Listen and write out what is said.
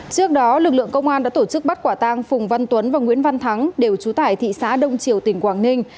trước đó lực lượng công an đã tổ chức bắt quả tang phùng văn tuấn và nguyễn văn thắng đều trú tại thị xã đông triều tỉnh quảng ninh